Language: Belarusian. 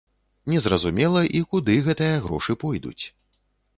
Незразумела, і куды гэтыя грошы пойдуць.